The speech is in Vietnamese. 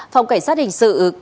phòng cảnh sát hình sự